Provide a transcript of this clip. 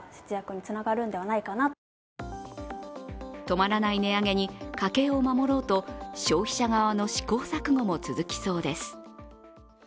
止まらない値上げに家計を守ろうと消費者側の試行錯誤も続きそうです。